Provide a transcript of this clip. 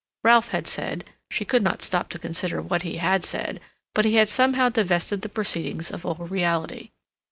Ralph had said—she could not stop to consider what he had said, but he had somehow divested the proceedings of all reality.